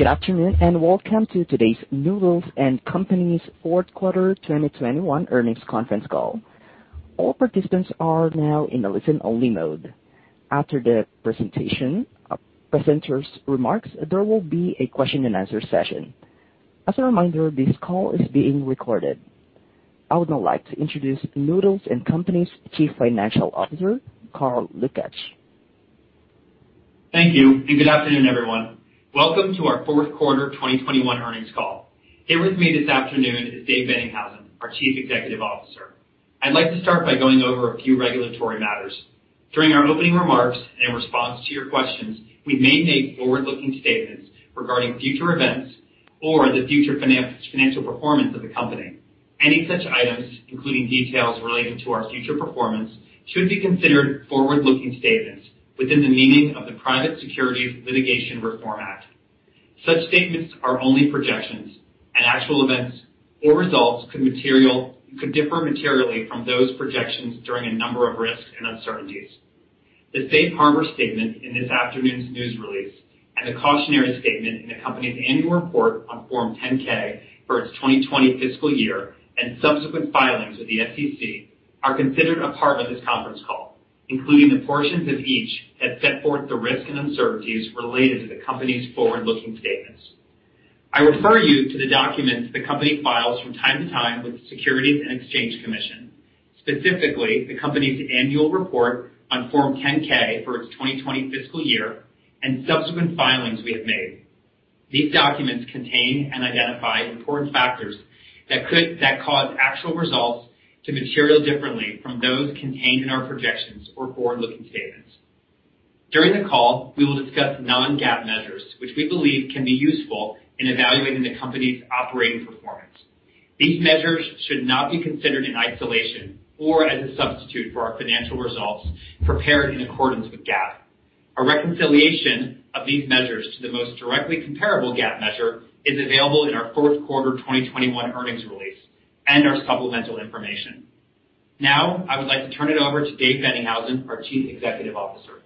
Good afternoon, and welcome to today's Noodles & Company's fourth quarter 2021 earnings conference call. All participants are now in a listen-only mode. After the presentation, presenters' remarks, there will be a question-and-answer session. As a reminder, this call is being recorded. I would now like to introduce Noodles & Company's Chief Financial Officer, Carl Lukach. Thank you, and good afternoon, everyone. Welcome to our fourth quarter 2021 earnings call. Here with me this afternoon is Dave Boennighausen, our Chief Executive Officer. I'd like to start by going over a few regulatory matters. During our opening remarks and in response to your questions, we may make forward-looking statements regarding future events or the future financial performance of the company. Any such items, including details relating to our future performance, should be considered forward-looking statements within the meaning of the Private Securities Litigation Reform Act. Such statements are only projections, and actual events or results could differ materially from those projections due to a number of risks and uncertainties. The safe harbor statement in this afternoon's news release and the cautionary statement in the company's annual report on Form 10-K for its 2020 fiscal year and subsequent filings with the SEC are considered a part of this conference call, including the portions of each that set forth the risks and uncertainties related to the company's forward-looking statements. I refer you to the documents the company files from time to time with the Securities and Exchange Commission, specifically the company's annual report on Form 10-K for its 2020 fiscal year and subsequent filings we have made. These documents contain and identify important factors that cause actual results to materially differ from those contained in our projections or forward-looking statements. During the call, we will discuss non-GAAP measures, which we believe can be useful in evaluating the company's operating performance. These measures should not be considered in isolation or as a substitute for our financial results prepared in accordance with GAAP. A reconciliation of these measures to the most directly comparable GAAP measure is available in our fourth quarter 2021 earnings release and our supplemental information. Now, I would like to turn it over to Dave Boennighausen, our Chief Executive Officer.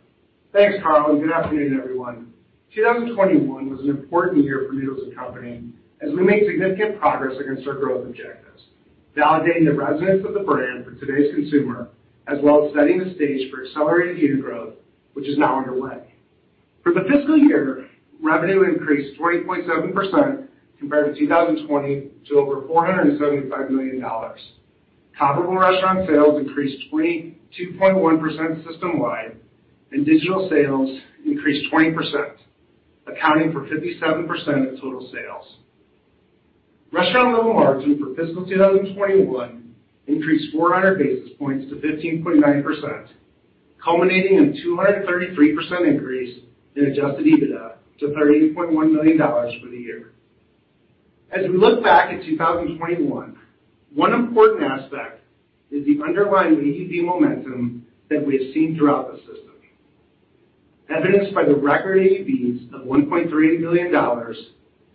Thanks, Carl, and good afternoon, everyone. 2021 was an important year for Noodles & Company as we made significant progress against our growth objectives, validating the resonance of the brand for today's consumer, as well as setting the stage for accelerated unit growth, which is now underway. For the fiscal year, revenue increased 20.7% compared to 2020 to over $475 million. Comparable restaurant sales increased 22.1% system-wide, and digital sales increased 20%, accounting for 57% of total sales. Restaurant level margin for fiscal 2021 increased 400 basis points to 15.9%, culminating in 233% increase in Adjusted EBITDA to $38.1 million for the year. As we look back at 2021, one important aspect is the underlying AUV momentum that we have seen throughout the system, evidenced by the record AUVs of $1.38 billion that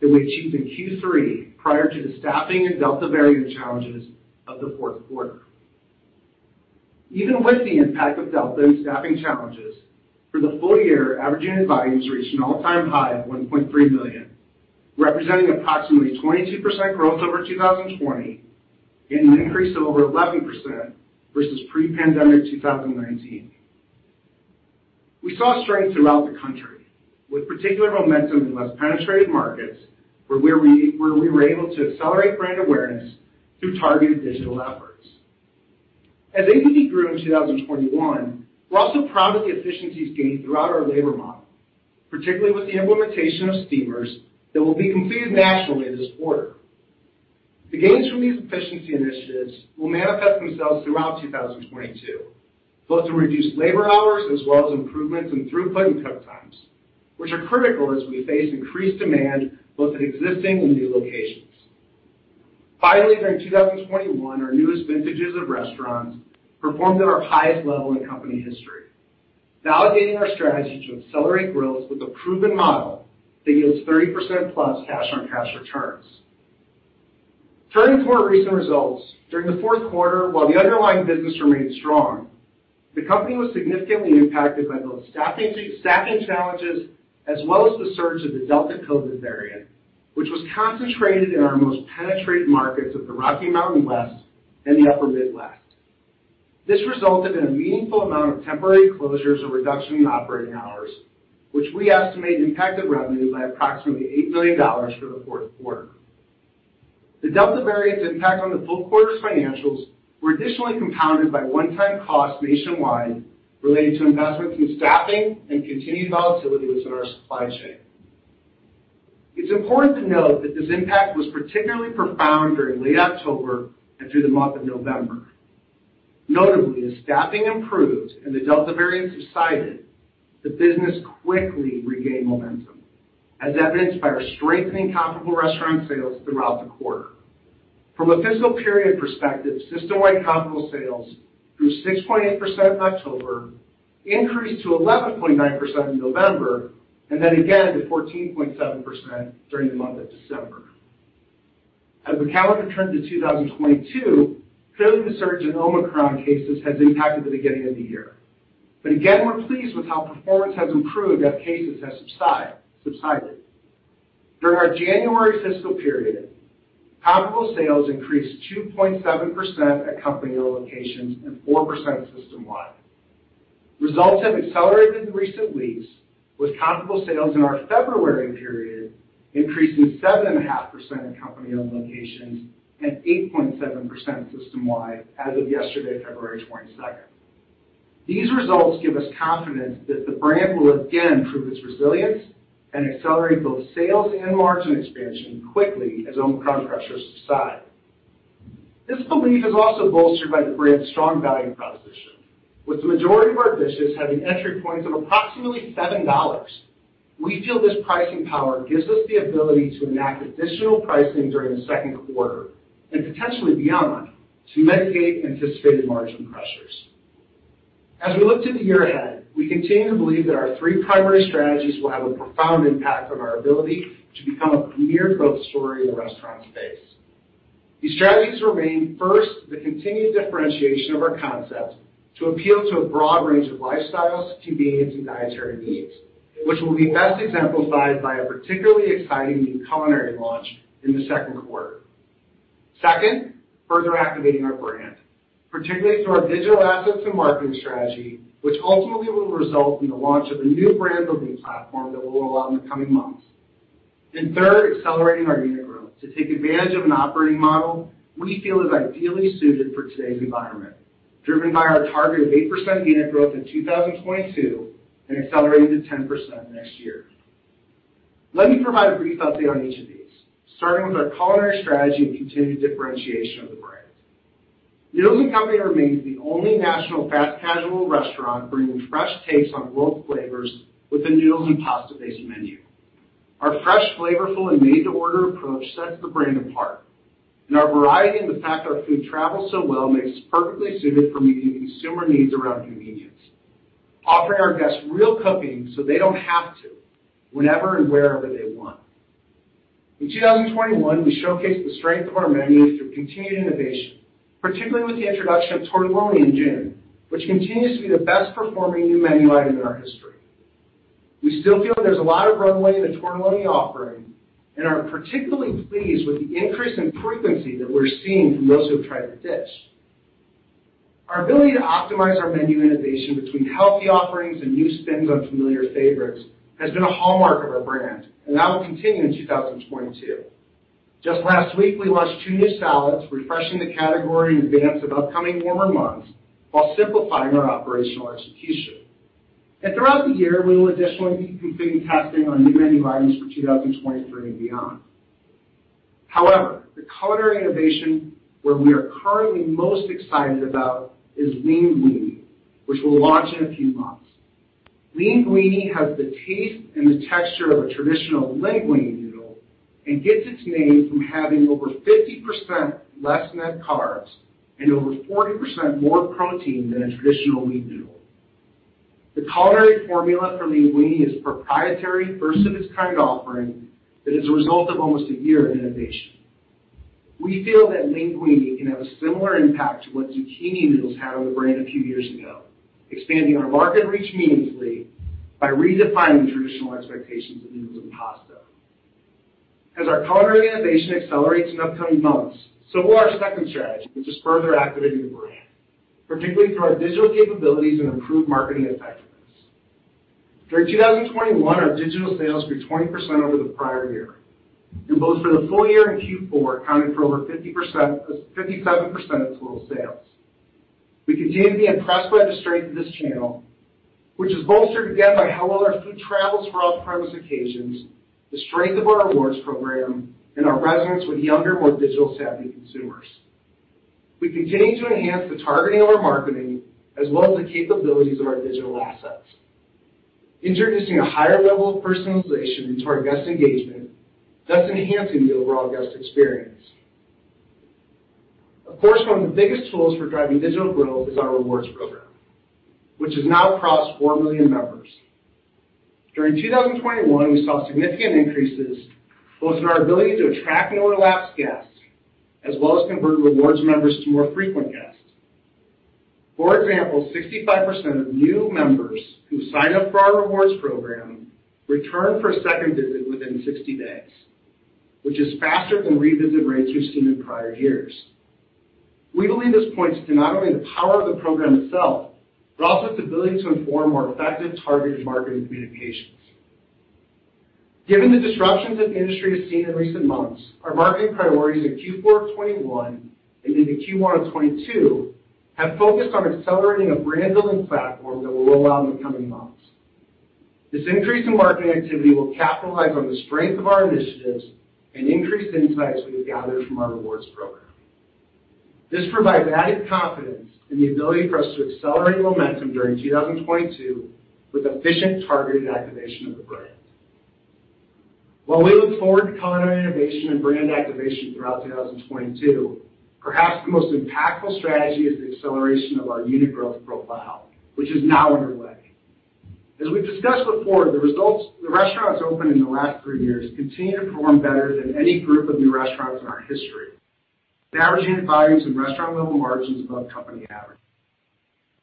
we achieved in Q3 prior to the staffing and Delta variant challenges of the fourth quarter. Even with the impact of Delta and staffing challenges, for the full year, average unit volumes reached an all-time high of $1.3 million, representing approximately 22% growth over 2020 and an increase of over 11% versus pre-pandemic 2019. We saw strength throughout the country, with particular momentum in less penetrated markets where we were able to accelerate brand awareness through targeted digital efforts. As AUV grew in 2021, we're also proud of the efficiencies gained throughout our labor model, particularly with the implementation of steamers that will be completed nationally this quarter. The gains from these efficiency initiatives will manifest themselves throughout 2022, both in reduced labor hours as well as improvements in throughput and cook times, which are critical as we face increased demand both at existing and new locations. Finally, during 2021, our newest vintages of restaurants performed at our highest level in company history, validating our strategy to accelerate growth with a proven model that yields 30%+ cash-on-cash returns. Turning to our recent results, during the fourth quarter, while the underlying business remained strong, the company was significantly impacted by both staffing challenges as well as the surge of the Delta COVID-19 variant, which was concentrated in our most penetrated markets of the Rocky Mountain West and the Upper Midwest. This resulted in a meaningful amount of temporary closures or reduction in operating hours, which we estimate impacted revenue by approximately $8 million for the fourth quarter. The Delta variant's impact on the full quarter's financials were additionally compounded by one-time costs nationwide related to investments in staffing and continued volatility within our supply chain. It's important to note that this impact was particularly profound during late October and through the month of November. Notably, as staffing improved and the Delta variant subsided, the business quickly regained momentum, as evidenced by our strengthening comparable restaurant sales throughout the quarter. From a fiscal period perspective, system-wide comparable sales grew 6.8% in October, increased to 11.9% in November, and then again to 14.7% during the month of December. As we calendar turn to 2022, clearly the surge in Omicron cases has impacted the beginning of the year. Again, we're pleased with how performance has improved as cases have subsided. During our January fiscal period, comparable sales increased 2.7% at company locations and 4% system-wide. Results have accelerated in recent weeks, with comparable sales in our February period increasing 7.5% at company-owned locations and 8.7% system-wide as of yesterday, February 22. These results give us confidence that the brand will again prove its resilience and accelerate both sales and margin expansion quickly as Omicron pressures subside. This belief is also bolstered by the brand's strong value proposition. With the majority of our dishes having entry points of approximately $7, we feel this pricing power gives us the ability to enact additional pricing during the second quarter and potentially beyond to mitigate anticipated margin pressures. As we look to the year ahead, we continue to believe that our three primary strategies will have a profound impact on our ability to become a premier growth story in the restaurant space. These strategies remain, first, the continued differentiation of our concept to appeal to a broad range of lifestyles, convenience, and dietary needs, which will be best exemplified by a particularly exciting new culinary launch in the second quarter. Second, further activating our brand, particularly through our digital assets and marketing strategy, which ultimately will result in the launch of a new brand-building platform that will roll out in the coming months. Third, accelerating our unit growth to take advantage of an operating model we feel is ideally suited for today's environment, driven by our target of 8% unit growth in 2022 and accelerating to 10% next year. Let me provide a brief update on each of these, starting with our culinary strategy and continued differentiation of the brand. Noodles & Company remains the only national fast casual restaurant bringing fresh takes on world flavors with a noodles and pasta-based menu. Our fresh, flavorful, and made-to-order approach sets the brand apart. Our variety and the fact our food travels so well makes us perfectly suited for meeting consumer needs around convenience. Offering our guests real cooking so they don't have to, whenever and wherever they want. In 2021, we showcased the strength of our menus through continued innovation, particularly with the introduction of Tortelloni in June, which continues to be the best-performing new menu item in our history. We still feel there's a lot of runway in the Tortelloni offering and are particularly pleased with the increase in frequency that we're seeing from those who have tried the dish. Our ability to optimize our menu innovation between healthy offerings and new spins on familiar favorites has been a hallmark of our brand, and that will continue in 2022. Just last week, we launched two new salads, refreshing the category in advance of upcoming warmer months while simplifying our operational execution. Throughout the year, we will additionally be completing testing on new menu items for 2023 and beyond. However, the culinary innovation where we are currently most excited about is LEANguini, which will launch in a few months. LEANguini has the taste and the texture of a traditional linguine noodle and gets its name from having over 50% less net carbs and over 40% more protein than a traditional wheat noodle. The culinary formula for LEANguini is proprietary first of its kind offering that is a result of almost a year in innovation. We feel that LEANguini can have a similar impact to what zucchini noodles had on the brand a few years ago, expanding our market reach meaningfully by redefining the traditional expectations of noodles and pasta. As our culinary innovation accelerates in upcoming months, so will our second strategy, which is further activating the brand, particularly through our digital capabilities and improved marketing effectiveness. During 2021, our digital sales grew 20% over the prior year. Both for the full year and in Q4 accounted for over 50%, 57% of total sales. We continue to be impressed by the strength of this channel, which is bolstered again by how well our food travels for off-premise occasions, the strength of our rewards program, and our resonance with younger, more digital-savvy consumers. We continue to enhance the targeting of our marketing as well as the capabilities of our digital assets, introducing a higher level of personalization into our guest engagement, thus enhancing the overall guest experience. Of course, one of the biggest tools for driving digital growth is our rewards program, which has now crossed 4 million members. During 2021, we saw significant increases both in our ability to attract and overlap guests as well as convert rewards members to more frequent guests. For example, 65% of new members who sign up for our rewards program return for a second visit within 60 days, which is faster than revisit rates we've seen in prior years. We believe this points to not only the power of the program itself, but also its ability to inform more effective targeted marketing communications. Given the disruptions that the industry has seen in recent months, our marketing priorities in Q4 of 2021 and into Q1 of 2022 have focused on accelerating a brand-building platform that will roll out in the coming months. This increase in marketing activity will capitalize on the strength of our initiatives and increase the insights we have gathered from our rewards program. This provides added confidence in the ability for us to accelerate momentum during 2022 with efficient targeted activation of the brand. While we look forward to culinary innovation and brand activation throughout 2022, perhaps the most impactful strategy is the acceleration of our unit growth profile, which is now underway. As we've discussed before, the restaurants opened in the last three years continue to perform better than any group of new restaurants in our history. The average unit volumes and restaurant level margins are above company average.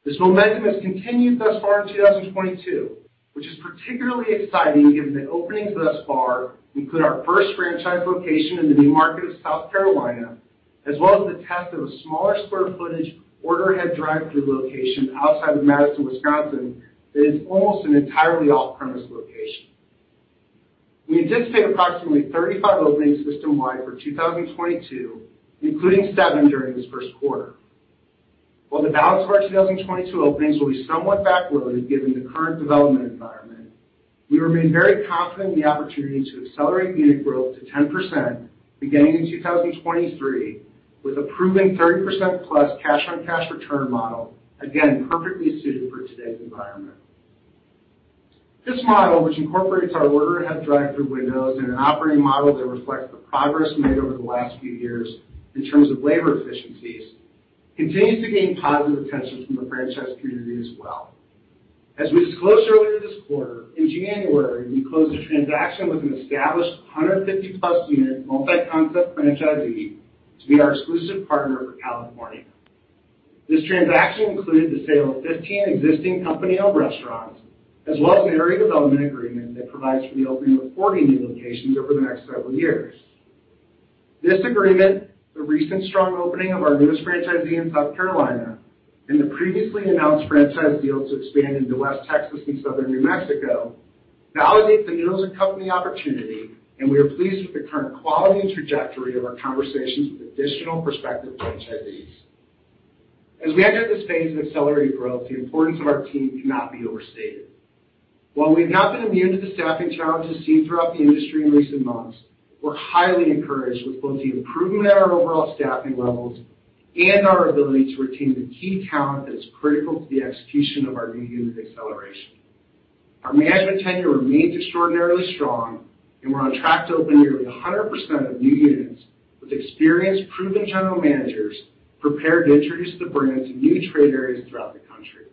This momentum has continued thus far in 2022, which is particularly exciting given that openings thus far include our first franchise location in the new market of South Carolina, as well as the test of a smaller square footage order ahead drive-thru location outside of Madison, Wisconsin, that is almost an entirely off-premise location. We anticipate approximately 35 openings system wide for 2022, including seven during this first quarter. While the balance of our 2022 openings will be somewhat backloaded given the current development environment, we remain very confident in the opportunity to accelerate unit growth to 10% beginning in 2023, with a proven 30%+ cash on cash return model, again, perfectly suited for today's environment. This model, which incorporates our order ahead drive-thru windows and an operating model that reflects the progress made over the last few years in terms of labor efficiencies, continues to gain positive attention from the franchise community as well. As we disclosed earlier this quarter, in January, we closed a transaction with an established 150+ unit multi-concept franchisee to be our exclusive partner for California. This transaction included the sale of 15 existing company-owned restaurants as well as an area development agreement that provides for the opening of 40 new locations over the next several years. This agreement, the recent strong opening of our newest franchisee in South Carolina, and the previously announced franchise deal to expand into West Texas and Southern New Mexico validates the Noodles & Company opportunity, and we are pleased with the current quality and trajectory of our conversations with additional prospective franchisees. As we enter this phase of accelerated growth, the importance of our team cannot be overstated. While we have not been immune to the staffing challenges seen throughout the industry in recent months, we're highly encouraged with both the improvement in our overall staffing levels and our ability to retain the key talent that is critical to the execution of our new unit acceleration. Our management tenure remains extraordinarily strong, and we're on track to open nearly 100% of new units with experienced, proven general managers prepared to introduce the brand to new trade areas throughout the country.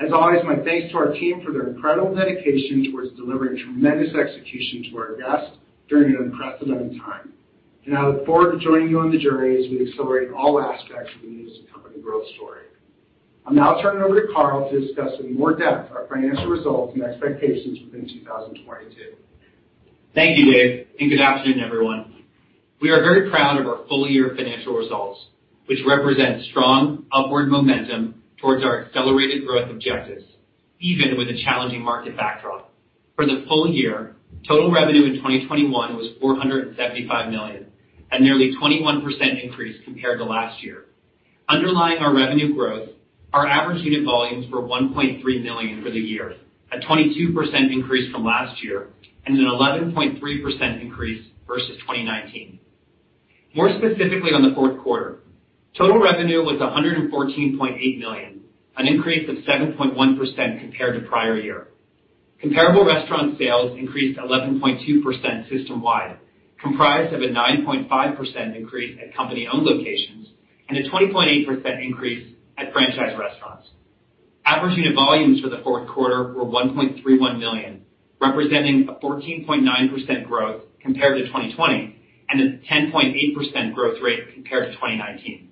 As always, my thanks to our team for their incredible dedication towards delivering tremendous execution to our guests during an unprecedented time. I look forward to joining you on the journey as we accelerate all aspects of the Noodles & Company growth story. I'll now turn it over to Carl to discuss in more depth our financial results and expectations within 2022. Thank you, Dave, and good afternoon, everyone. We are very proud of our full year financial results, which represent strong upward momentum towards our accelerated growth objectives, even with a challenging market backdrop. For the full year, total revenue in 2021 was $475 million, a nearly 21% increase compared to last year. Underlying our revenue growth, our average unit volumes were $1.3 million for the year, a 22% increase from last year, and an 11.3% increase versus 2019. More specifically on the fourth quarter, total revenue was $114.8 million, an increase of 7.1% compared to prior year. Comparable restaurant sales increased 11.2% system-wide, comprised of a 9.5% increase at company-owned locations and a 20.8% increase at franchise restaurants. Average unit volumes for the fourth quarter were 1.31 million, representing a 14.9% growth compared to 2020 and a 10.8% growth rate compared to 2019.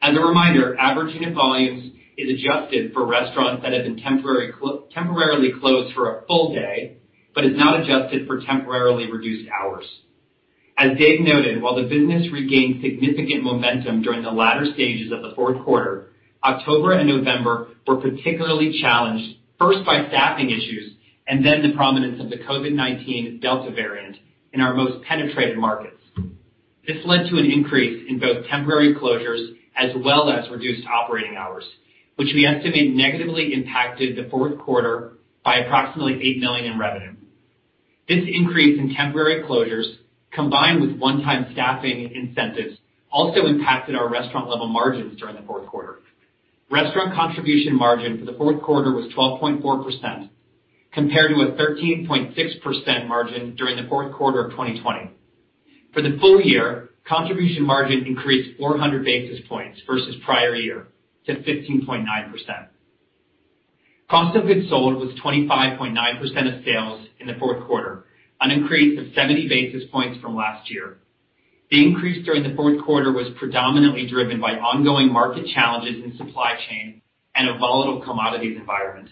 As a reminder, average unit volumes is adjusted for restaurants that have been temporarily closed for a full day but is not adjusted for temporarily reduced hours. As Dave noted, while the business regained significant momentum during the latter stages of the fourth quarter, October and November were particularly challenged, first by staffing issues and then the prominence of the COVID-19 Delta variant in our most penetrated markets. This led to an increase in both temporary closures as well as reduced operating hours, which we estimate negatively impacted the fourth quarter by approximately $8 million in revenue. This increase in temporary closures, combined with one-time staffing incentives, also impacted our restaurant level margins during the fourth quarter. Restaurant contribution margin for the fourth quarter was 12.4%, compared to a 13.6% margin during the fourth quarter of 2020. For the full year, contribution margin increased 400 basis points versus prior year to 15.9%. Cost of goods sold was 25.9% of sales in the fourth quarter, an increase of 70 basis points from last year. The increase during the fourth quarter was predominantly driven by ongoing market challenges in supply chain and a volatile commodities environment.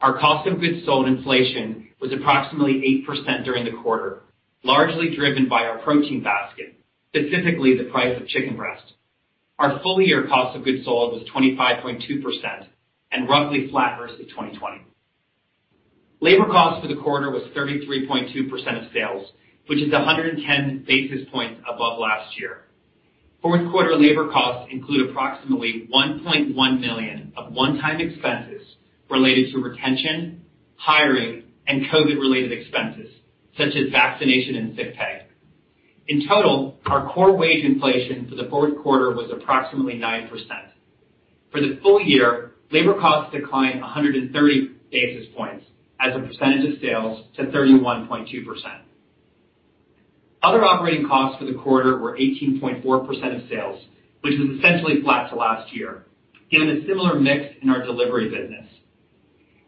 Our cost of goods sold inflation was approximately 8% during the quarter, largely driven by our protein basket, specifically the price of chicken breast. Our full year cost of goods sold was 25.2% and roughly flat versus 2020. Labor costs for the quarter was 33.2% of sales, which is 110 basis points above last year. Fourth quarter labor costs include approximately $1.1 million of one-time expenses related to retention, hiring, and COVID related expenses such as vaccination and sick pay. In total, our core wage inflation for the fourth quarter was approximately 9%. For the full year, labor costs declined 130 basis points as a percentage of sales to 31.2%. Other operating costs for the quarter were 18.4% of sales, which is essentially flat to last year, given the similar mix in our delivery business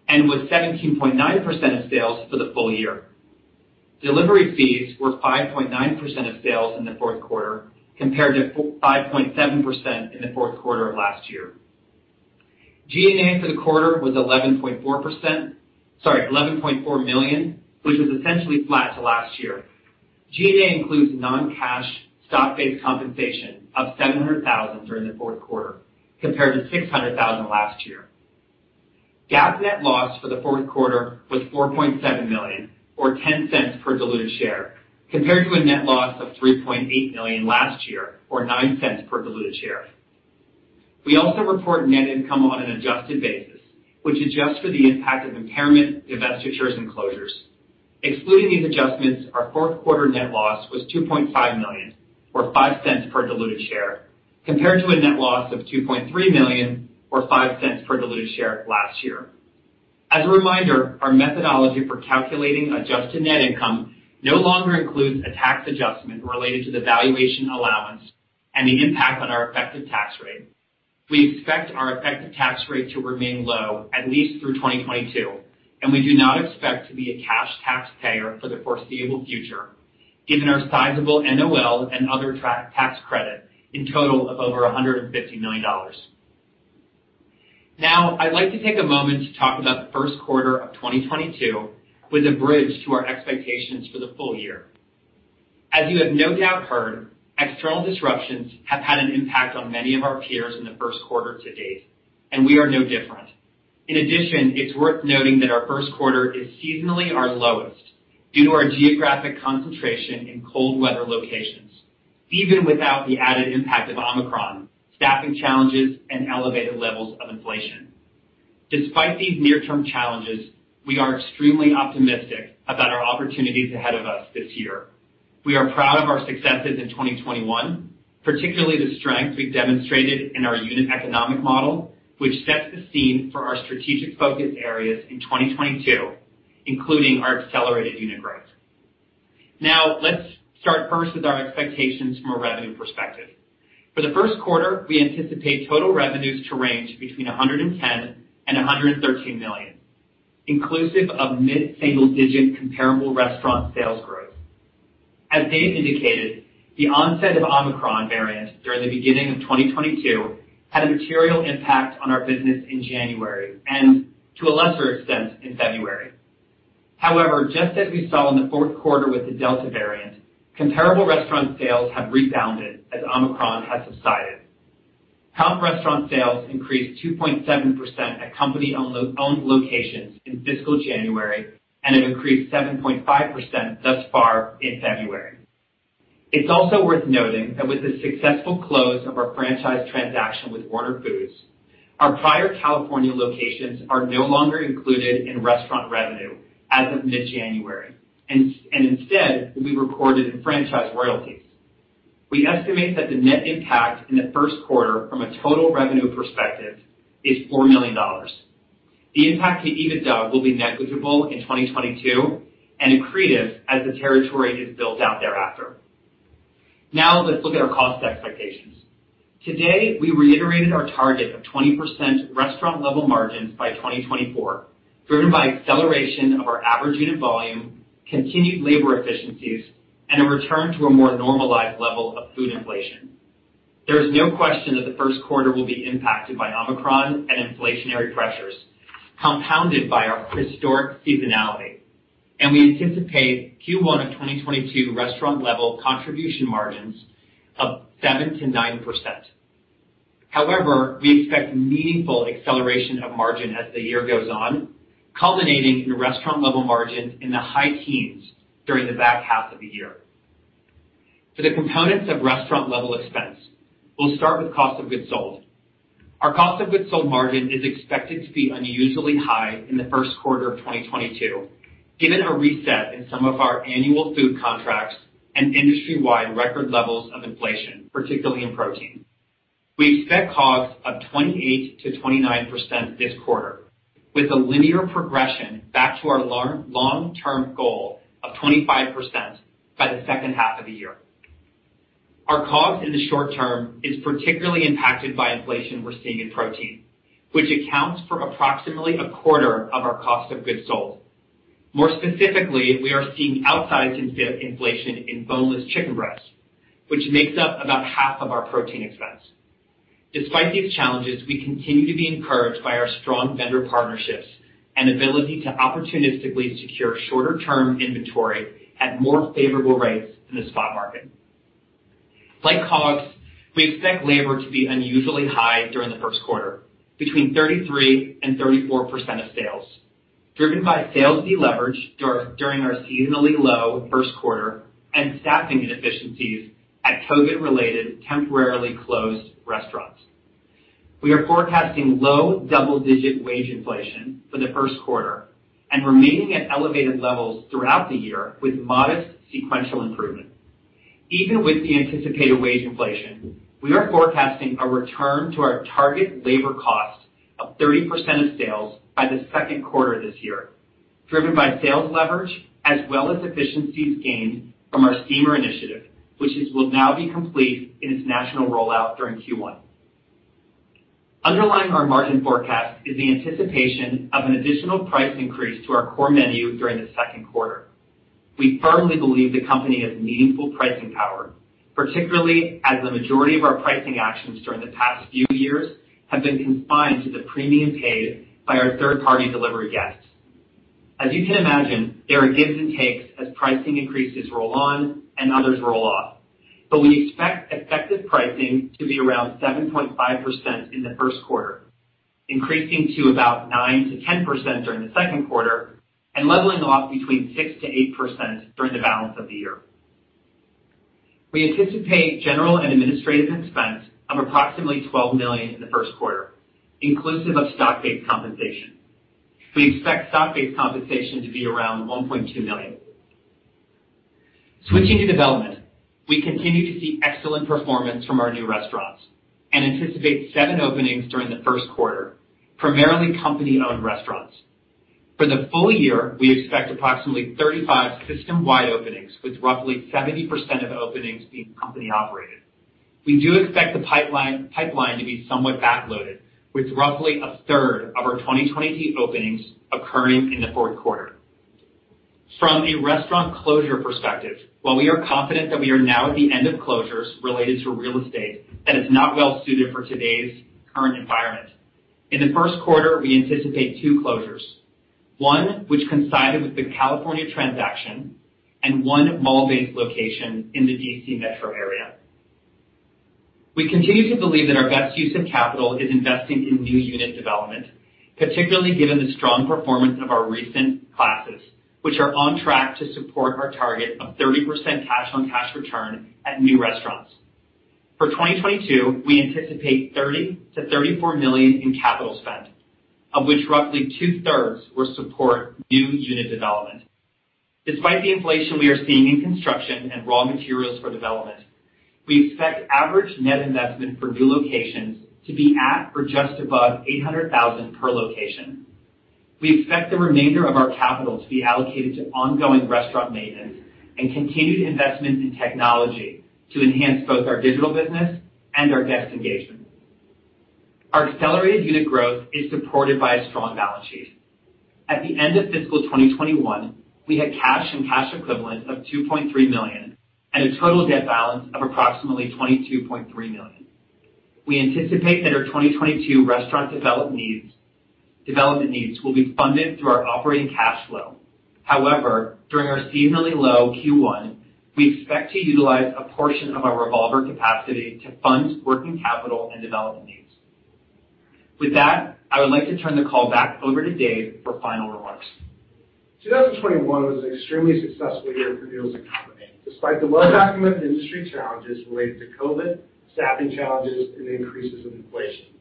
and with 17.9% of sales for the full year. Delivery fees were 5.9% of sales in the fourth quarter compared to five point seven percent in the fourth quarter of last year. G&A for the quarter was 11.4%. Sorry, $11.4 million, which was essentially flat to last year. G&A includes non-cash stock-based compensation of $700,000 during the fourth quarter, compared to $600,000 last year. GAAP net loss for the fourth quarter was $4.7 million or $0.10 per diluted share, compared to a net loss of $3.8 million last year or $0.09 per diluted share. We also report net income on an adjusted basis, which adjusts for the impact of impairment, divestitures, and closures. Excluding these adjustments, our fourth quarter net loss was $2.5 million or $0.05 per diluted share, compared to a net loss of $2.3 million or $0.05 per diluted share last year. As a reminder, our methodology for calculating adjusted net income no longer includes a tax adjustment related to the valuation allowance and the impact on our effective tax rate. We expect our effective tax rate to remain low at least through 2022, and we do not expect to be a cash taxpayer for the foreseeable future, given our sizable NOL and other tax credit in total of over $150 million. Now, I'd like to take a moment to talk about the first quarter of 2022 with a bridge to our expectations for the full year. As you have no doubt heard, external disruptions have had an impact on many of our peers in the first quarter to date, and we are no different. In addition, it's worth noting that our first quarter is seasonally our lowest due to our geographic concentration in cold weather locations, even without the added impact of Omicron, staffing challenges, and elevated levels of inflation. Despite these near-term challenges, we are extremely optimistic about our opportunities ahead of us this year. We are proud of our successes in 2021, particularly the strength we've demonstrated in our unit economic model, which sets the scene for our strategic focus areas in 2022, including our accelerated unit growth. Now, let's start first with our expectations from a revenue perspective. For the first quarter, we anticipate total revenues to range between $110 million-$113 million, inclusive of mid-single digit comparable restaurant sales growth. As Dave indicated, the onset of Omicron variant during the beginning of 2022 had a material impact on our business in January and to a lesser extent in February. However, just as we saw in the fourth quarter with the Delta variant, comparable restaurant sales have rebounded as Omicron has subsided. Comp restaurant sales increased 2.7% at company-owned locations in fiscal January and have increased 7.5% thus far in February. It's also worth noting that with the successful close of our franchise transaction with Warner Foods, our prior California locations are no longer included in restaurant revenue as of mid-January, and instead will be recorded in franchise royalties. We estimate that the net impact in the first quarter from a total revenue perspective is $4 million. The impact to EBITDA will be negligible in 2022 and accretive as the territory is built out thereafter. Now let's look at our cost expectations. Today, we reiterated our target of 20% restaurant level margins by 2024, driven by acceleration of our average unit volume, continued labor efficiencies, and a return to a more normalized level of food inflation. There is no question that the first quarter will be impacted by Omicron and inflationary pressures, compounded by our historic seasonality, and we anticipate Q1 of 2022 restaurant level contribution margins of 7%-9%. However, we expect meaningful acceleration of margin as the year goes on, culminating in restaurant level margin in the high teens during the back half of the year. For the components of restaurant level expense, we'll start with cost of goods sold. Our cost of goods sold margin is expected to be unusually high in the first quarter of 2022, given a reset in some of our annual food contracts and industry-wide record levels of inflation, particularly in protein. We expect COGS of 28%-29% this quarter with a linear progression back to our long-term goal of 25% by the second half of the year. Our COGS in the short term is particularly impacted by inflation we're seeing in protein, which accounts for approximately a quarter of our cost of goods sold. More specifically, we are seeing outsized inflation in boneless chicken breast, which makes up about half of our protein expense. Despite these challenges, we continue to be encouraged by our strong vendor partnerships and ability to opportunistically secure shorter term inventory at more favorable rates in the spot market. Like COGS, we expect labor to be unusually high during the first quarter, between 33%-34% of sales, driven by sales deleverage during our seasonally low first quarter and staffing inefficiencies at COVID-related temporarily closed restaurants. We are forecasting low double-digit wage inflation for the first quarter and remaining at elevated levels throughout the year with modest sequential improvement. Even with the anticipated wage inflation, we are forecasting a return to our target labor cost 30% of sales by the second quarter of this year, driven by sales leverage as well as efficiencies gained from our steamer initiative, which will now be complete in its national rollout during Q1. Underlying our margin forecast is the anticipation of an additional price increase to our core menu during the second quarter. We firmly believe the company has meaningful pricing power, particularly as the majority of our pricing actions during the past few years have been confined to the premium paid by our third party delivery guests. As you can imagine, there are gives and takes as pricing increases roll on and others roll off. We expect effective pricing to be around 7.5% in the first quarter, increasing to about 9%-10% during the second quarter, and leveling off between 6%-8% during the balance of the year. We anticipate general and administrative expense of approximately $12 million in the first quarter, inclusive of stock-based compensation. We expect stock-based compensation to be around $1.2 million. Switching to development, we continue to see excellent performance from our new restaurants and anticipate seven openings during the first quarter, primarily company-owned restaurants. For the full year, we expect approximately 35 system-wide openings, with roughly 70% of openings being company operated. We do expect the pipeline to be somewhat backloaded, with roughly a third of our 2022 openings occurring in the fourth quarter. From a restaurant closure perspective, while we are confident that we are now at the end of closures related to real estate that is not well suited for today's current environment. In the first quarter, we anticipate two closures. One, which coincided with the California transaction, and one mall-based location in the D.C. metro area. We continue to believe that our best use of capital is investing in new unit development, particularly given the strong performance of our recent classes, which are on track to support our target of 30% cash on cash return at new restaurants. For 2022, we anticipate $30 million-$34 million in capital spend, of which roughly two-thirds will support new unit development. Despite the inflation we are seeing in construction and raw materials for development, we expect average net investment for new locations to be at or just above $800,000 per location. We expect the remainder of our capital to be allocated to ongoing restaurant maintenance and continued investment in technology to enhance both our digital business and our guest engagement. Our accelerated unit growth is supported by a strong balance sheet. At the end of fiscal 2021, we had cash and cash equivalents of $2.3 million, and a total debt balance of approximately $22.3 million. We anticipate that our 2022 restaurant development needs will be funded through our operating cash flow. However, during our seasonally low Q1, we expect to utilize a portion of our revolver capacity to fund working capital and development needs. With that, I would like to turn the call back over to Dave for final remarks. 2021 was an extremely successful year for Noodles & Company, despite the well-documented industry challenges related to COVID, staffing challenges, and increases in inflation.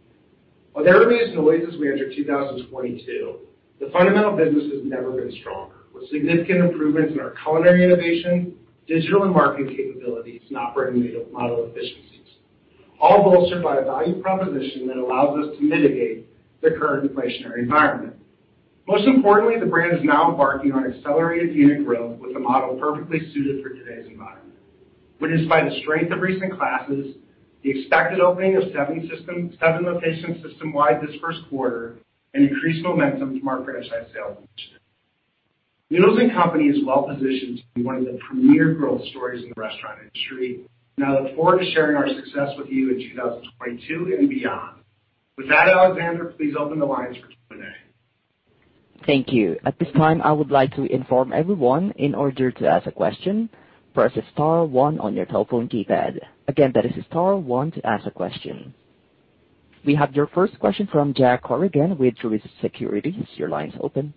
With everything in the way as we enter 2022, the fundamental business has never been stronger, with significant improvements in our culinary innovation, digital and marketing capabilities, and operating model efficiencies, all bolstered by a value proposition that allows us to mitigate the current inflationary environment. Most importantly, the brand is now embarking on accelerated unit growth with a model perfectly suited for today's environment. As witnessed by the strength of recent leases, the expected opening of seven locations system-wide this first quarter and increased momentum to our franchise sales initiative. Noodles & Company is well positioned to be one of the premier growth stories in the restaurant industry, and I look forward to sharing our success with you in 2022 and beyond. With that, Alexander, please open the lines for Q&A. Thank you. At this time, I would like to inform everyone in order to ask a question, press star one on your telephone keypad. Again, that is star one to ask a question. We have your first question from Jake Bartlett with Truist Securities. Your line is open.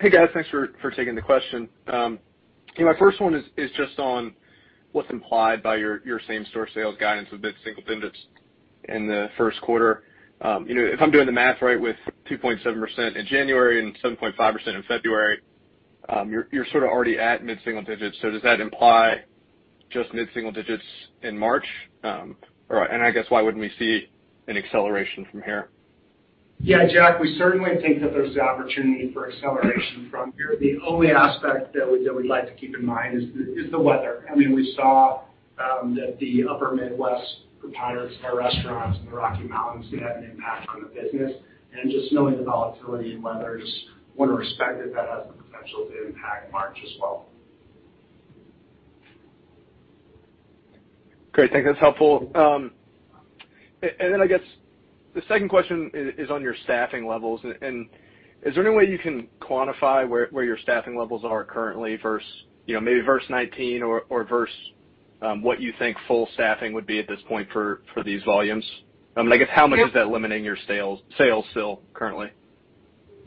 Hey, guys. Thanks for taking the question. My first one is just on what's implied by your same store sales guidance with mid-single digits in the first quarter. You know, if I'm doing the math right with 2.7% in January and 7.5% in February, you're sorta already at mid-single digits. So does that imply just mid-single digits in March? Or and I guess why wouldn't we see an acceleration from here? Yeah, Jake, we certainly think that there's the opportunity for acceleration from here. The only aspect that we'd like to keep in mind is the weather. I mean, we saw that the upper Midwest proprietors of our restaurants in the Rocky Mountains had an impact on the business, and just knowing the volatility in weather, we want to respect that that has the potential to impact March as well. Great. I think that's helpful. I guess the second question is on your staffing levels. Is there any way you can quantify where your staffing levels are currently versus, you know, maybe versus 2019 or versus what you think full staffing would be at this point for these volumes? I guess how much is that limiting your sales still currently?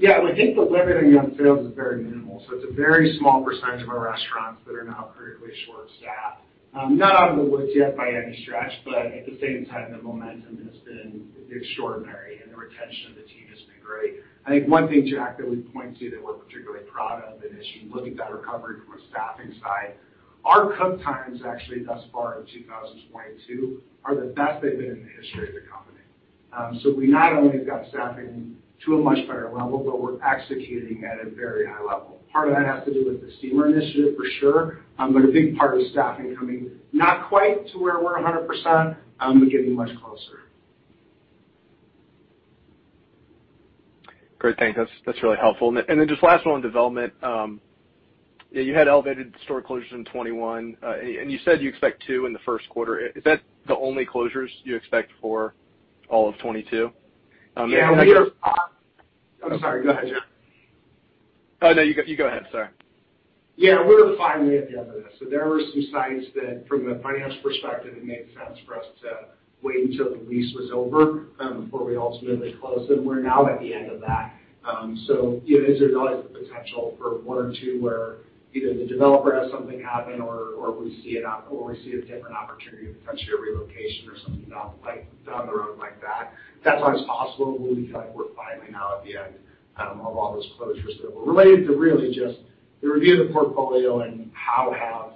Yeah. We think the limitation on sales is very minimal, so it's a very small percentage of our restaurants that are now critically short-staffed. Not out of the woods yet by any stretch, but at the same time, the momentum has been extraordinary and the retention of the team has been great. I think one thing, Jake, that we point to that we're particularly proud of and is looking at that recovery from a staffing side, our cook times actually thus far in 2022 are the best they've been in the history of the company. So we not only have got staffing to a much better level, but we're executing at a very high level. Part of that has to do with the steamer initiative for sure, but a big part is staffing coming not quite to where we're 100%, but getting much closer. Great. Thanks. That's really helpful. Then just last one on development. You had elevated store closures in 2021, and you said you expect two in the first quarter. Is that the only closures you expect for all of 2022? Yeah. I'm sorry. Go ahead, Jeff. Oh, no, you go ahead. Sorry. Yeah. We're finally at the end of this. There were some sites that from a finance perspective, it made sense for us to wait until the lease was over before we ultimately closed them. We're now at the end of that. You know, there's always the potential for one or two where either the developer has something happen or we see a different opportunity, potentially a relocation or something down the pipe, down the road like that. That's always possible, but we feel like we're finally now at the end of all those closures that were related to really just the review of the portfolio and how have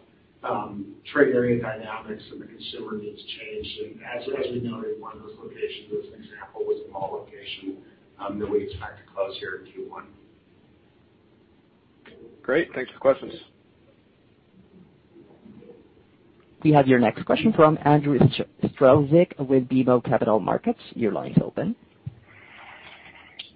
trade area dynamics and the consumer needs changed. As we noted, one of those locations, as an example, was a mall location that we expect to close here in Q1. Great. Thanks for the questions. We have your next question from Andrew Strelzik with BMO Capital Markets. Your line is open.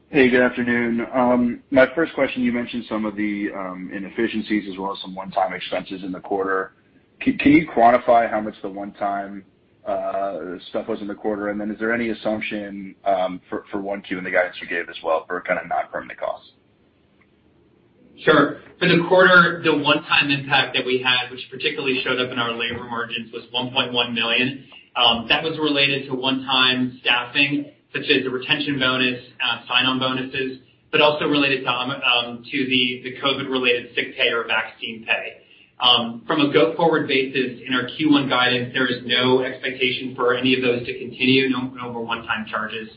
Hey, good afternoon. My first question, you mentioned some of the inefficiencies as well as some one-time expenses in the quarter. Can you quantify how much the one-time stuff was in the quarter? Is there any assumption for 1Q in the guidance you gave as well for kind of non-permanent costs? Sure. For the quarter, the one-time impact that we had, which particularly showed up in our labor margins, was $1.1 million. That was related to one-time staffing, such as a retention bonus, sign-on bonuses, but also related to the COVID related sick pay or vaccine pay. From a go-forward basis in our Q1 guidance, there is no expectation for any of those to continue no other one-time charges.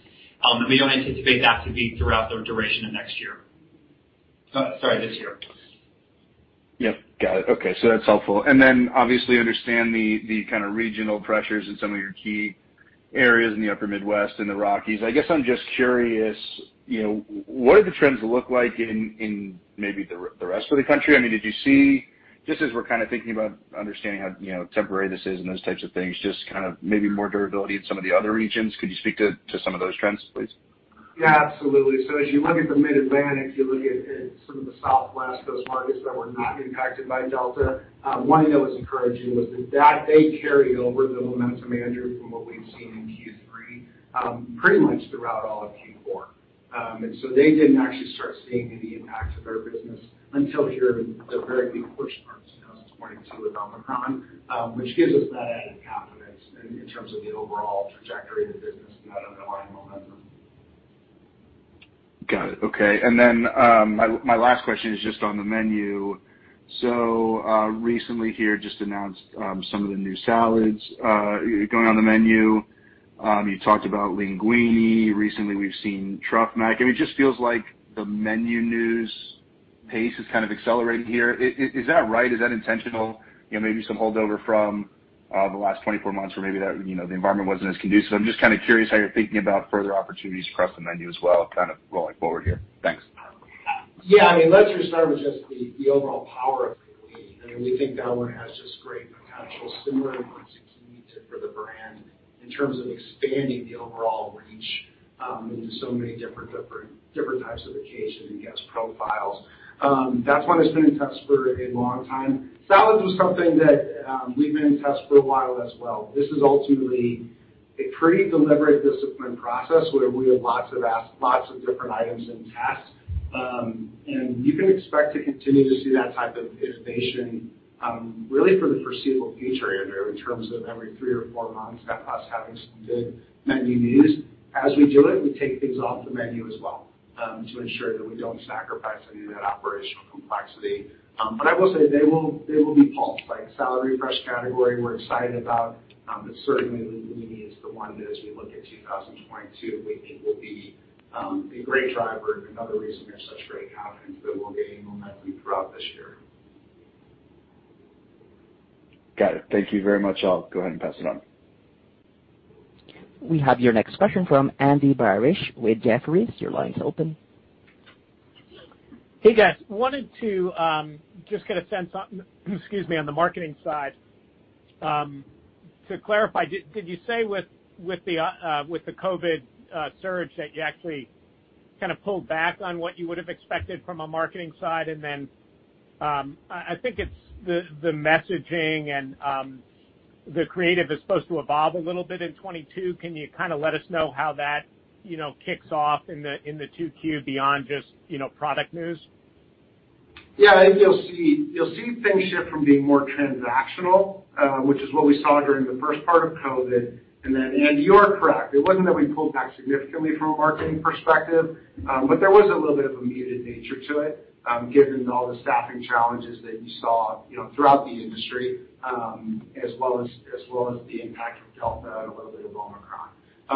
We don't anticipate that to be throughout the duration of next year. Sorry, this year. Yep. Got it. Okay. That's helpful. Obviously understand the kind of regional pressures in some of your key areas in the Upper Midwest and the Rockies. I guess I'm just curious, you know, what do the trends look like in maybe the rest of the country? I mean, did you see just as we're kind of thinking about understanding how, you know, temporary this is and those types of things, just kind of maybe more durability in some of the other regions. Could you speak to some of those trends, please? Yeah, absolutely. As you look at the Mid-Atlantic, you look at some of the Southwest, those markets that were not impacted by Delta, one thing that was encouraging was that they carried over the momentum, Andrew, from what we've seen in Q3, pretty much throughout all of Q4. They didn't actually start seeing any impacts of their business until here in the very beginning portion of 2022 with Omicron, which gives us that added confidence in terms of the overall trajectory of the business and that underlying momentum. Got it. Okay. My last question is just on the menu. Recently we just announced some of the new salads going on the menu. You talked about LEANguini. Recently we've seen Truffle Mac. I mean, it just feels like the menu news pace is kind of accelerating here. Is that right? Is that intentional? You know, maybe some holdover from the last 24 months where maybe that, you know, the environment wasn't as conducive. I'm just kind of curious how you're thinking about further opportunities across the menu as well, kind of rolling forward here. Thanks. Yeah. I mean, let's just start with the overall power of LEANguini, and we think that one has just great potential, similar to what zucchini did for the brand in terms of expanding the overall reach into so many different types of occasion and guest profiles. That's why it's been in test for a long time. Salads was something that we've been in test for a while as well. This is ultimately a pretty deliberate discipline process where we have lots of different items in test. You can expect to continue to see that type of innovation really for the foreseeable future, Andrew, in terms of every three or four months, that's us having some good menu news. As we do it, we take things off the menu as well, to ensure that we don't sacrifice any of that operational complexity. I will say they will be pulsed, like salad refresh category we're excited about. Certainly LEANguini is the one that as we look at 2022, we think will be a great driver and another reason we have such great confidence that we'll gain momentum throughout this year. Got it. Thank you very much. I'll go ahead and pass it on. We have your next question from Andy Barish with Jefferies. Your line is open. Hey, guys. I wanted to just get a sense on, excuse me, on the marketing side. To clarify, did you say with the COVID surge that you actually kind of pulled back on what you would have expected from a marketing side? I think it's the messaging and the creative is supposed to evolve a little bit in 2022. Can you kind of let us know how that you know kicks off in the 2Q beyond just you know product news? Yeah. I think you'll see things shift from being more transactional, which is what we saw during the first part of COVID. Andy, you are correct. It wasn't that we pulled back significantly from a marketing perspective, but there was a little bit of a muted nature to it, given all the staffing challenges that you saw, you know, throughout the industry, as well as the impact of Delta and a little bit of Omicron.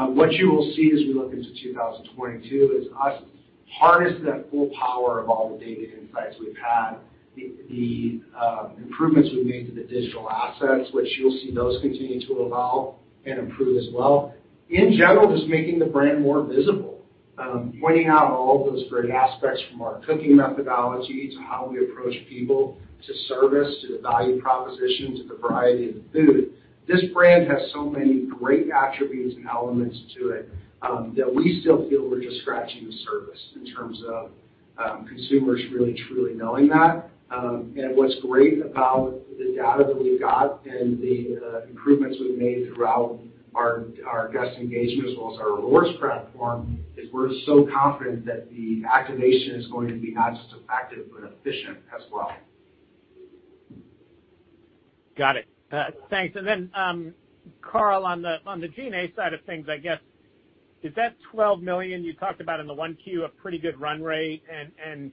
What you will see as we look into 2022 is us harnessing that full power of all the data insights we've had, the improvements we've made to the digital assets, which you'll see those continue to evolve and improve as well. In general, just making the brand more visible, pointing out all those great aspects from our cooking methodology to how we approach people, to service, to the value proposition, to the variety of the food. This brand has so many great attributes and elements to it, that we still feel we're just scratching the surface in terms of consumers really truly knowing that. What's great about the data that we've got and the improvements we've made throughout our guest engagement as well as our rewards platform is we're so confident that the activation is going to be not just effective, but efficient as well. Got it. Thanks. And then, Carl, on the G&A side of things, I guess, is that $12 million you talked about in the 1Q a pretty good run rate? And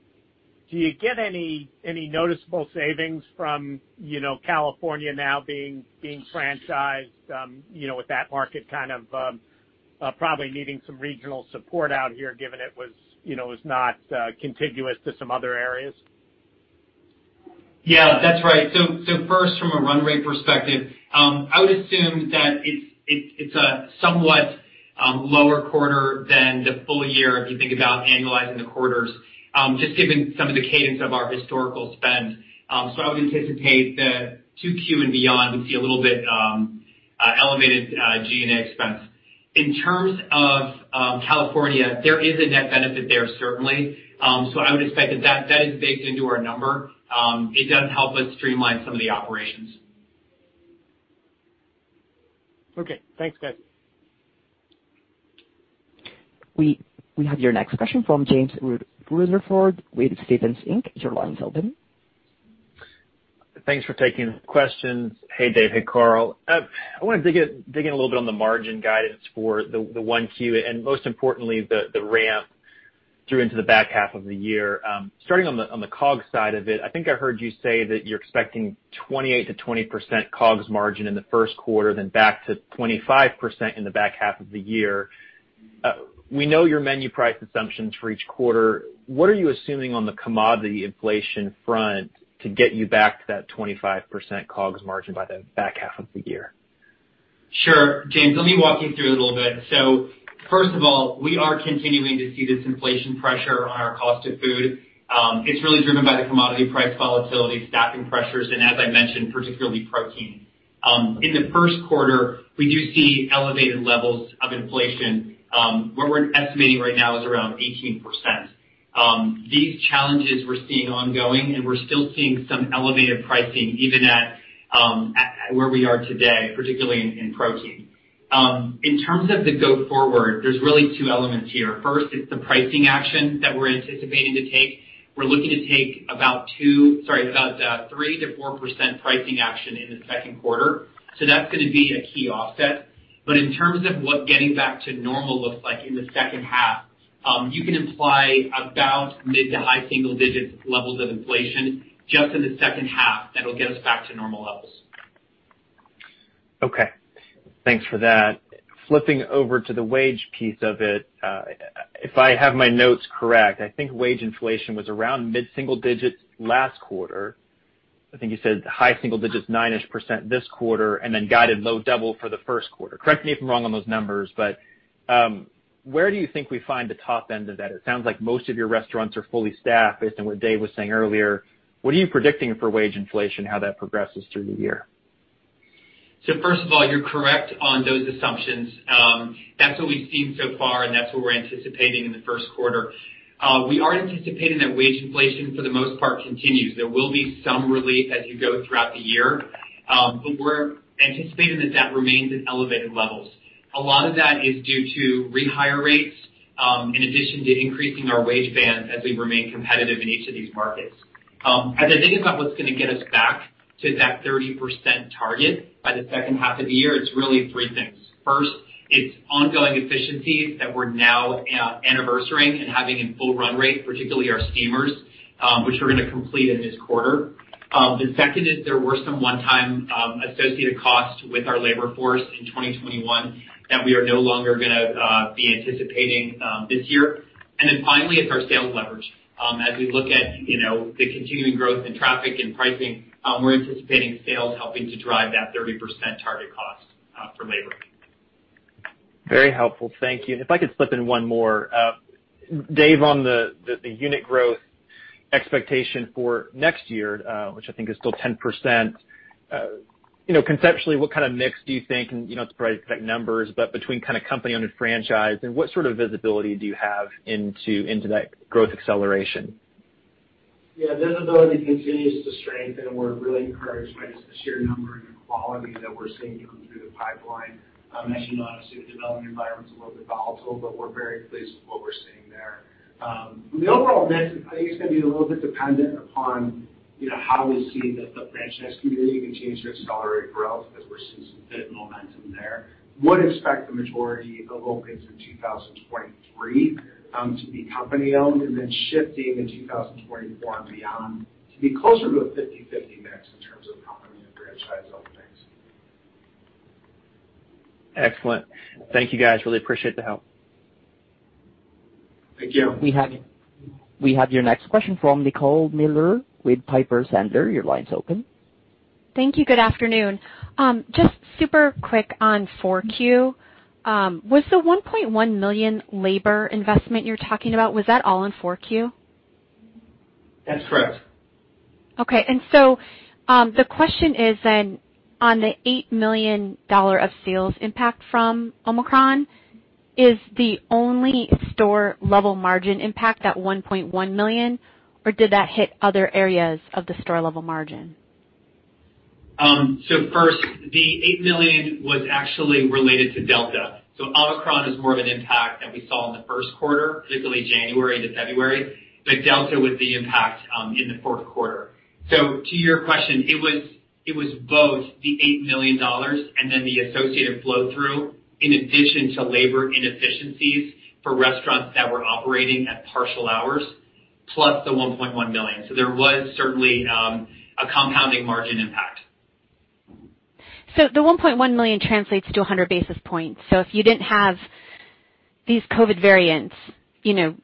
do you get any noticeable savings from, you know, California now being franchised, you know, with that market kind of probably needing some regional support out here given it was, you know, not contiguous to some other areas? Yeah, that's right. First, from a run rate perspective, I would assume that it's a somewhat lower quarter than the full year if you think about annualizing the quarters, just given some of the cadence of our historical spend. I would anticipate that 2Q and beyond, we see a little bit elevated G&A expense. In terms of California, there is a net benefit there, certainly. I would expect that that is baked into our number. It does help us streamline some of the operations. Okay. Thanks, guys. We have your next question from James Rutherford with Stephens Inc. Your line's open. Thanks for taking the questions. Hey, Dave. Hey, Carl. I wanted to dig in a little bit on the margin guidance for the 1Q, and most importantly, the ramp through into the back half of the year. Starting on the COGS side of it, I think I heard you say that you're expecting 28%-30% COGS margin in the first quarter, then back to 25% in the back half of the year. We know your menu price assumptions for each quarter. What are you assuming on the commodity inflation front to get you back to that 25% COGS margin by the back half of the year? Sure. James, let me walk you through a little bit. First of all, we are continuing to see this inflation pressure on our cost of food. It's really driven by the commodity price volatility, staffing pressures, and as I mentioned, particularly protein. In the first quarter, we do see elevated levels of inflation, where we're estimating right now is around 18%. These challenges we're seeing ongoing, and we're still seeing some elevated pricing even at where we are today, particularly in protein. In terms of the go forward, there's really two elements here. First, it's the pricing action that we're anticipating to take. We're looking to take about 3%-4% pricing action in the second quarter. That's gonna be a key offset. In terms of what getting back to normal looks like in the second half, you can imply about mid- to high-single-digit percent levels of inflation just in the second half that'll get us back to normal levels. Okay. Thanks for that. Flipping over to the wage piece of it, if I have my notes correct, I think wage inflation was around mid-single digits last quarter. I think you said high single digits, 9-ish% this quarter, and then guided low double digits for the first quarter. Correct me if I'm wrong on those numbers, but where do you think we find the top end of that? It sounds like most of your restaurants are fully staffed based on what Dave was saying earlier. What are you predicting for wage inflation, how that progresses through the year? First of all, you're correct on those assumptions. That's what we've seen so far, and that's what we're anticipating in the first quarter. We are anticipating that wage inflation for the most part continues. There will be some relief as you go throughout the year, but we're anticipating that that remains at elevated levels. A lot of that is due to rehire rates, in addition to increasing our wage bands as we remain competitive in each of these markets. As I think about what's gonna get us back to that 30% target by the second half of the year, it's really three things. First, it's ongoing efficiencies that we're now anniversarying and having in full run rate, particularly our steamers, which we're gonna complete in this quarter. The second is there were some one-time associated costs with our labor force in 2021 that we are no longer gonna be anticipating this year. Finally, it's our sales leverage. As we look at, you know, the continuing growth in traffic and pricing, we're anticipating sales helping to drive that 30% target cost for labor. Very helpful. Thank you. If I could slip in one more. Dave, on the unit growth expectation for next year, which I think is still 10%, you know, conceptually, what kind of mix do you think, and you don't have to provide exact numbers, but between kind of company owned and franchised, and what sort of visibility do you have into that growth acceleration? Yeah. Visibility continues to strengthen. We're really encouraged by just the sheer number and the quality that we're seeing coming through the pipeline. As you know, obviously, the development environment's a little bit volatile, but we're very pleased with what we're seeing there. The overall mix, I think it's gonna be a little bit dependent upon, you know, how we see the franchise community continue to accelerate growth because we're seeing some good momentum there. Would expect the majority of opens in 2023 to be company-owned, and then shifting in 2024 and beyond to be closer to a 50/50 mix between- Excellent. Thank you, guys. Really appreciate the help. Thank you. We have your next question from Nicole Miller Regan with Piper Sandler. Your line's open. Thank you. Good afternoon. Just super quick on 4Q. Was the $1.1 million labor investment you're talking about, was that all in 4Q? That's correct. Okay. The question is then on the $8 million of sales impact from Omicron, is the only store level margin impact that $1.1 million or did that hit other areas of the store level margin? First, the $8 million was actually related to Delta. Omicron is more of an impact that we saw in the first quarter, particularly January to February, but Delta was the impact in the fourth quarter. To your question, it was both the $8 million and then the associated flow through in addition to labor inefficiencies for restaurants that were operating at partial hours, plus the $1.1 million. There was certainly a compounding margin impact. The $1.1 million translates to 100 basis points. If you didn't have these COVID variants, you know,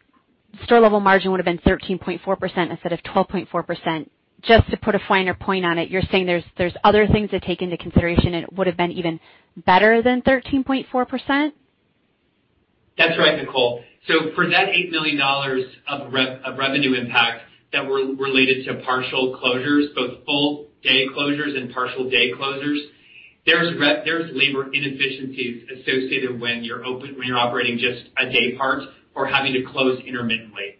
store level margin would have been 13.4% instead of 12.4%. Just to put a finer point on it, you're saying there's other things to take into consideration, and it would have been even better than 13.4%? That's right, Nicole. For that $8 million of revenue impact that were related to partial closures, both full day closures and partial day closures, there's labor inefficiencies associated when you're open, when you're operating just a day part or having to close intermittently.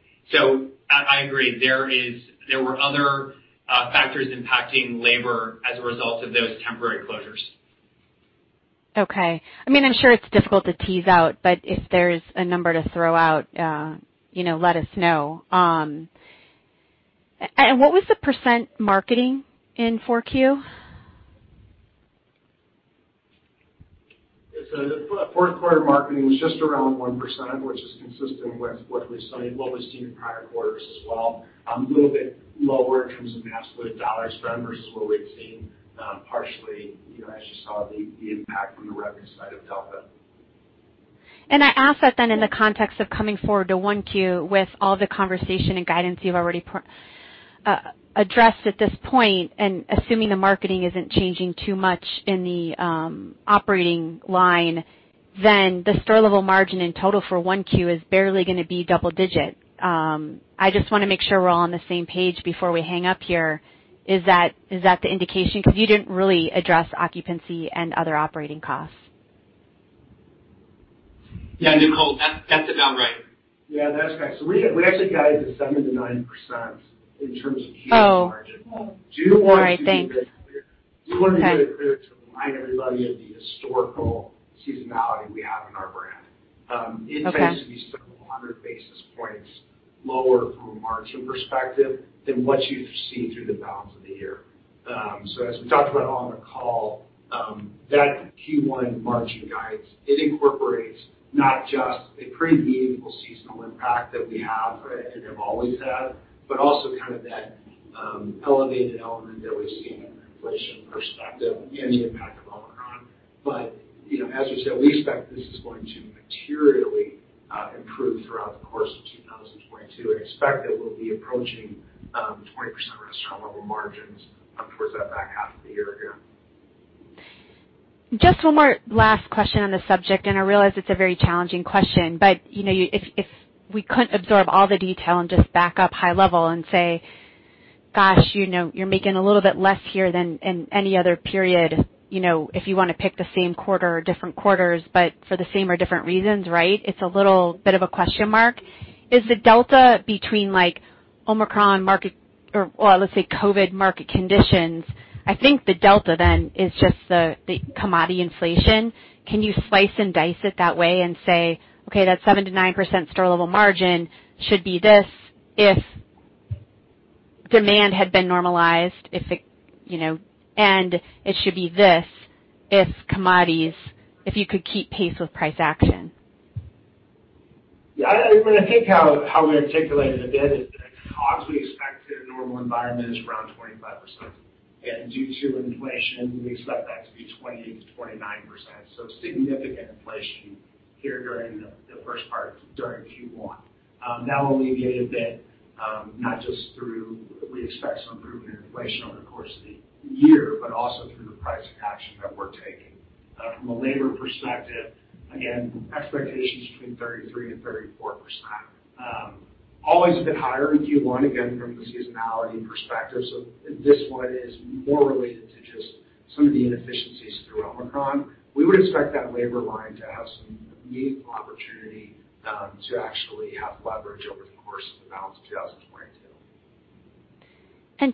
I agree, there were other factors impacting labor as a result of those temporary closures. Okay. I mean, I'm sure it's difficult to tease out, but if there's a number to throw out, you know, let us know. What was the percent marketing in 4Q? It's fourth quarter marketing was just around 1%, which is consistent with what we've studied, what we've seen in prior quarters as well. A little bit lower in terms of absolute dollars spent versus what we've seen, partially, you know, as you saw the impact from the revenue side of Delta. I ask that then in the context of coming forward to 1Q with all the conversation and guidance you've already addressed at this point, and assuming the marketing isn't changing too much in the operating line, then the store level margin in total for 1Q is barely gonna be double digit. I just wanna make sure we're all on the same page before we hang up here. Is that the indication? Because you didn't really address occupancy and other operating costs. Yeah, Nicole, that's about right. Yeah, that's correct. We actually guided to 7%-9% in terms of Q margin. Oh, all right, thanks. do want to be a bit clear. Okay. do want to be a bit clear to remind everybody of the historical seasonality we have in our brand. Okay. It tends to be several hundred basis points lower from a margin perspective than what you see through the balance of the year. As we talked about on the call, that Q1 margin guide, it incorporates not just a pretty meaningful seasonal impact that we have and have always had, but also kind of that, elevated element that we've seen from an inflation perspective and the impact of Omicron. You know, as we said, we expect this is going to materially, improve throughout the course of 2022, and expect that we'll be approaching, 20% restaurant level margins, towards that back half of the year here. Just one more last question on this subject, and I realize it's a very challenging question, but you know, if we couldn't absorb all the detail and just back up high level and say, gosh, you know, you're making a little bit less here than in any other period, you know, if you wanna pick the same quarter or different quarters, but for the same or different reasons, right? It's a little bit of a question mark. Is the delta between, like, Omicron market or, well, let's say COVID market conditions? I think the delta then is just the commodity inflation. Can you slice and dice it that way and say, okay, that 7%-9% store level margin should be this if demand had been normalized, if it you know, and it should be this if commodities, if you could keep pace with price action? Yeah, I mean, I think how we articulated it, Regan, is that the cost we expect in a normal environment is around 25%. Due to inflation, we expect that to be 20%-29%. Significant inflation here during the first part, during Q1. That will alleviate a bit, not just through we expect some improvement in inflation over the course of the year, but also through the pricing action that we're taking. From a labor perspective, again, expectations between 33%-34%. Always a bit higher in Q1, again, from the seasonality perspective. This one is more related to just some of the inefficiencies through Omicron. We would expect that labor line to have some meaningful opportunity, to actually have leverage over the course of the balance of 2022.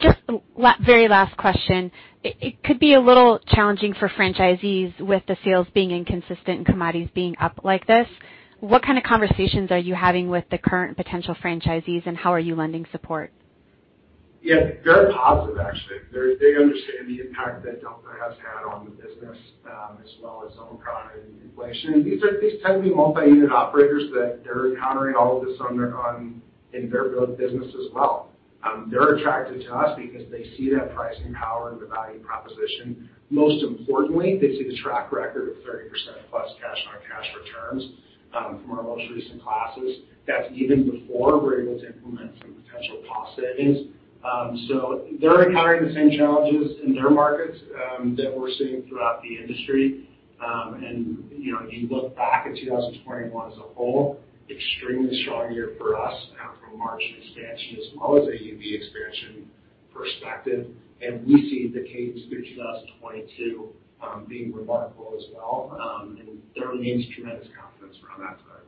Just very last question. It could be a little challenging for franchisees with the sales being inconsistent and commodities being up like this. What kind of conversations are you having with the current potential franchisees, and how are you lending support? Yes, very positive actually. They understand the impact that Delta has had on the business, as well as Omicron and inflation. These tend to be multi-unit operators that they're encountering all of this on their own in their business as well. They're attracted to us because they see that pricing power and the value proposition. Most importantly, they see the track record of 30%+ cash-on-cash returns from our most recent classes. That's even before we're able to implement some potential cost savings. They're encountering the same challenges in their markets that we're seeing throughout the industry. You know, you look back at 2021 as a whole, extremely strong year for us from a margin expansion as well as AUV expansion perspective, and we see the cadence through 2022 being remarkable as well. There remains tremendous confidence around that trend.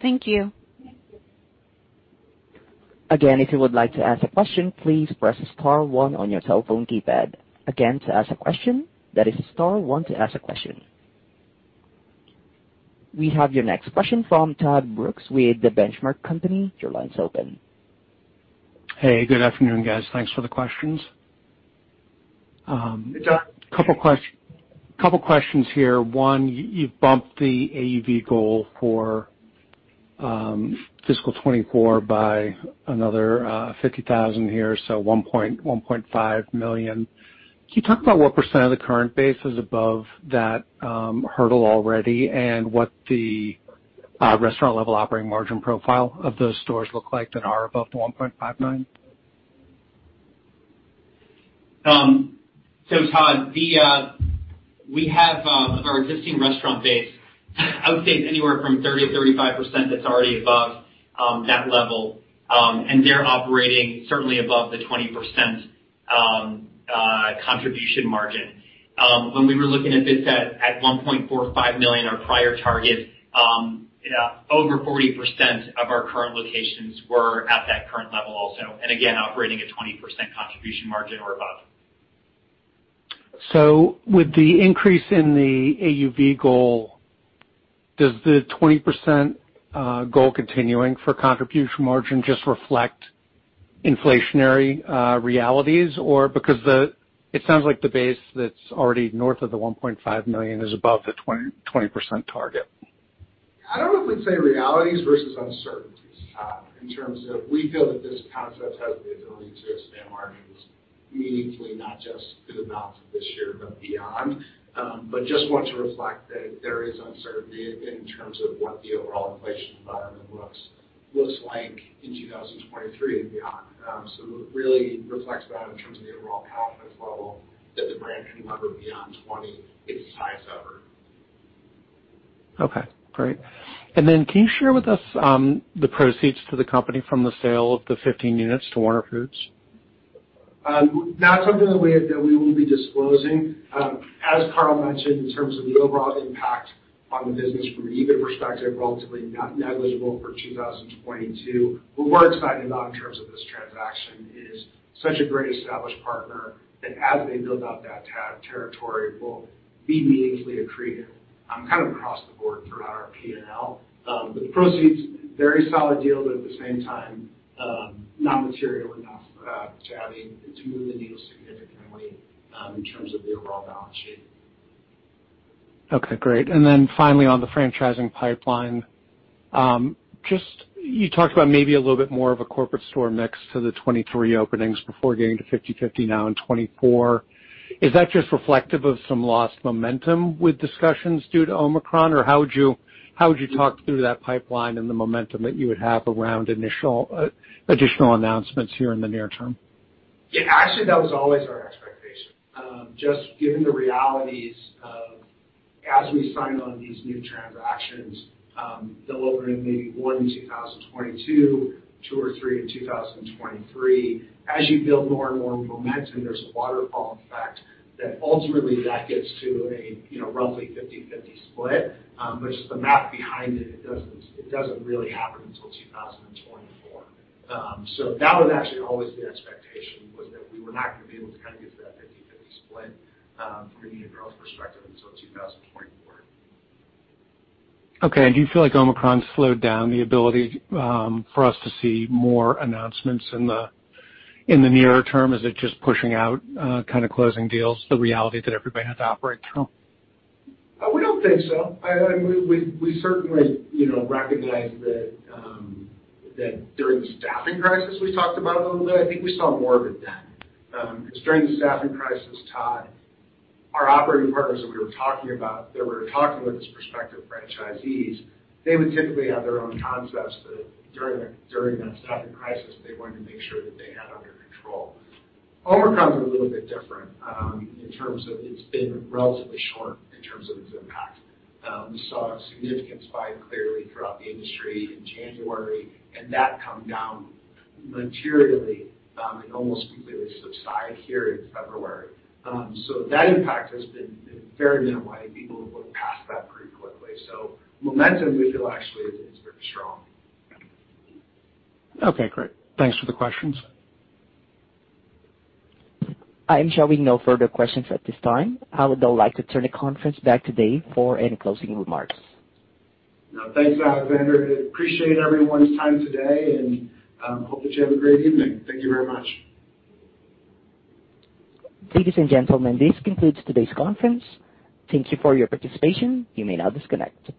Thank you. Again, if you would like to ask a question, please press star one on your telephone keypad. Again, to ask a question, that is star one to ask a question. We have your next question from Todd Brooks with The Benchmark Company. Your line's open. Hey, good afternoon, guys. Thanks for the questions. Hey, Todd. Couple questions here. One, you've bumped the AUV goal for fiscal 2024 by another 50,000 here, so $1.5 million. Can you talk about what percent of the current base is above that hurdle already and what the restaurant level operating margin profile of those stores look like that are above the $1.59? Todd, we have our existing restaurant base. I would say it's anywhere from 30%-35% that's already above that level. They're operating certainly above the 20% contribution margin. When we were looking at this at $1.45 million, our prior target, over 40% of our current locations were at that current level also, and again, operating at 20% contribution margin or above. With the increase in the AUV goal, does the 20% goal continuing for contribution margin just reflect inflationary realities? Or it sounds like the base that's already north of $1.5 million is above the 20% target. I don't know if we'd say realities versus uncertainties in terms of we feel that this concept has the ability to expand margins meaningfully, not just through the balance of this year, but beyond. Just want to reflect that there is uncertainty in terms of what the overall inflation environment looks like in 2023 and beyond. It really reflects that in terms of the overall confidence level that the brand can lever beyond 20 is as high as ever. Okay, great. Can you share with us the proceeds to the company from the sale of the 15 units to Warner Foods? Not something that we will be disclosing. As Carl mentioned, in terms of the overall impact on the business from an EBIT perspective, relatively negligible for 2022. What we're excited about in terms of this transaction is such a great established partner that as they build out that territory will be meaningfully accretive, kind of across the board throughout our P&L. The proceeds, very solid deal, but at the same time, not material enough to move the needle significantly, in terms of the overall balance sheet. Okay, great. Finally, on the franchising pipeline, just you talked about maybe a little bit more of a corporate store mix to the 23 openings before getting to 50/50 now in 2024. Is that just reflective of some lost momentum with discussions due to Omicron? Or how would you talk through that pipeline and the momentum that you would have around initial, additional announcements here in the near term? Yeah, actually, that was always our expectation. Just given the realities of as we sign on these new transactions, delivering maybe one in 2022, two or three in 2023. As you build more and more momentum, there's a waterfall effect that ultimately gets to a, you know, roughly 50/50 split. But the math behind it doesn't really happen until 2024. So that was actually always the expectation was that we were not gonna be able to kind of get to that 50/50 split, from a unit growth perspective until 2024. Okay. Do you feel like Omicron slowed down the ability for us to see more announcements in the nearer term? Is it just pushing out kind of closing deals, the reality that everybody had to operate through? We don't think so. We certainly, you know, recognize that during the staffing crisis, we talked about it a little bit. I think we saw more of it then. Because during the staffing crisis, Todd, our operating partners that we were talking about, that we were talking with as prospective franchisees, they would typically have their own concepts that during that staffing crisis, they wanted to make sure that they had under control. Omicron is a little bit different in terms of it's been relatively short in terms of its impact. We saw a significant spike clearly throughout the industry in January and that come down materially and almost completely subside here in February. So that impact has been very minimal, I think people have moved past that pretty quickly. Momentum, we feel actually is very strong. Okay, great. Thanks for the questions. I am showing no further questions at this time. I would now like to turn the conference back to Dave for any closing remarks. Thanks, Alexander. Appreciate everyone's time today, and hope that you have a great evening. Thank you very much. Ladies and gentlemen, this concludes today's conference. Thank you for your participation. You may now disconnect.